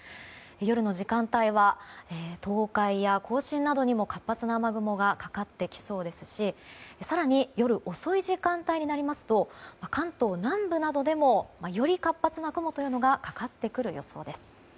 夜の時間帯は東海や甲信などにも活発な雨雲がかかってきそうですし更に、夜遅い時間帯になりますと関東南部などでもより活発な雲というのがかかってくる予想です。